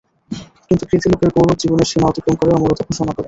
কিন্তু কৃতি লোকের গৌরব জীবনের সীমা অতিক্রম করে অমরতা ঘোষণা করে।